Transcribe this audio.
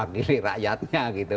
diri rakyatnya gitu